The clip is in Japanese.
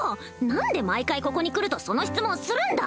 何で毎回ここに来るとその質問するんだ